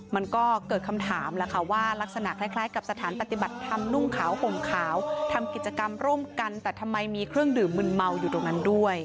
มันก็เกิดคำถามแล้วค่ะว่าลักษณะคล้ายกับสถานปฏิบัติธรรมนุ่งขาวห่มขาวทำกิจกรรมร่วมกันแต่ทำไมมีเครื่องดื่มมึนเมาอยู่ตรงนั้นด้วย